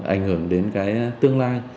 ảnh hưởng đến cái tương lai